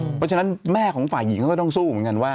เพราะฉะนั้นแม่ของฝ่ายหญิงเขาก็ต้องสู้เหมือนกันว่า